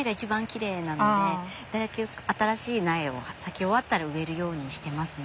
新しい苗を咲き終わったら植えるようにしてますね。